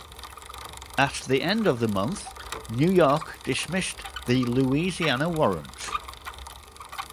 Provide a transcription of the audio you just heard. At the end of the month, New York dismissed the Louisiana warrant.